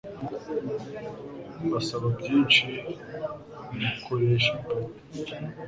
Basaba byinshi mukoresha pe